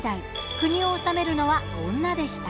国を治めるのは、女でした。